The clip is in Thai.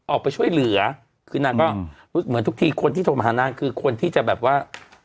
ออกไปช่วยเหลือคือนางก็เหมือนทุกทีคนที่โทรมาหานางคือคนที่จะแบบว่า